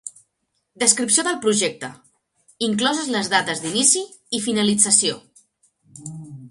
Descripció del projecte, incloses les dates d'inici i finalització.